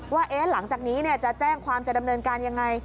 ว่าหลังจากนี้จะแจ้งความจะดำเนินการยังไง